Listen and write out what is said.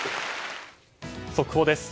速報です。